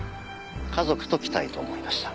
家族と来たいと思いました。